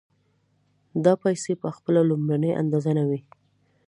دا پیسې په خپله لومړنۍ اندازه نه وي